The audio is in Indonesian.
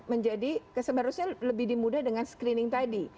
menjadi seharusnya lebih dimudah dengan screening tadi